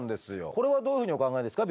これはどういうふうにお考えですか？